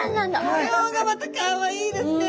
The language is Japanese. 模様がまたかわいいですね。